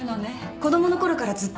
子供のころからずっと。